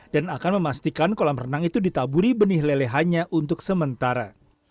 dan akan memastikan kolam renang itu ditaburi benih lelehannya untuk sementara